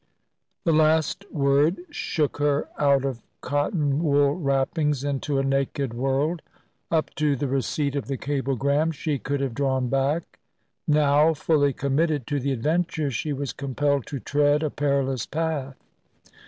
The last word shook her out of cotton wool wrappings into a naked world. Up to the receipt of the cablegram she could have drawn back. Now, fully committed to the adventure, she was compelled to tread a perilous path.